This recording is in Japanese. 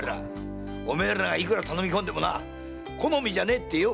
おめえらがいくら頼み込んでも好みじゃねえってよ！